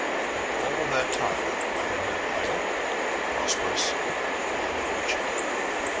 In all that time I had been idle, prosperous, and wretched.